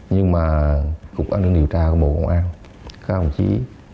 nhưng mà cục an ninh điều tra của bộ công an khá không chí ý